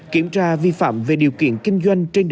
kiểm tra vi phạm về điều kiện kinh tế